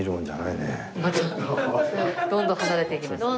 どんどん離れていきます。